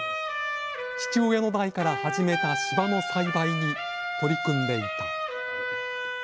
父親の代から始めた芝の栽培に取り組んでいた。